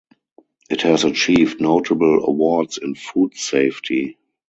It has achieved notable awards in Food Safety.